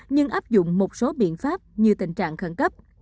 nhưng áp dụng một số biện pháp như tình trạng khẩn cấp